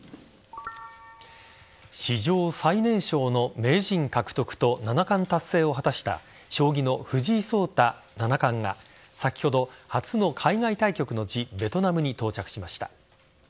史上最年少の名人獲得と七冠達成を果たした将棋の藤井聡太七冠が先ほど、初の海外対局の地ベトナムに到着しました。